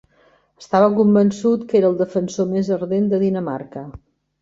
Estava convençut que era el defensor més ardent de Dinamarca.